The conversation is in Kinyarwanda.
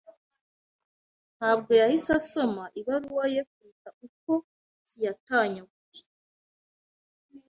Ntabwo yahise asoma ibaruwa ye kuruta uko yatanyaguye. (Dejo)